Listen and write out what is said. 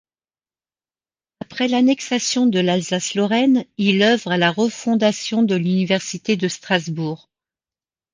Après l’annexion de l'Alsace-Lorraine, il œuvre à la refondation de l'université de Strasbourg.